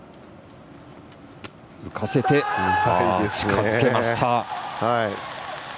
浮かせて、近づけました。